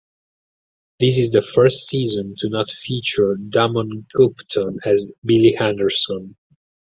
This is the first season to not feature Damon Gupton as Billy Henderson.